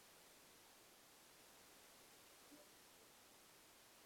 خو سخت چل یې را باندې وکړ.